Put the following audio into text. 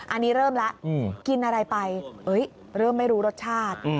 อันนี้เริ่มแล้วกินอะไรไปเริ่มไม่รู้รสชาติ